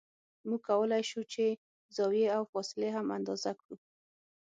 موږ کولای شو چې زاویې او فاصلې هم اندازه کړو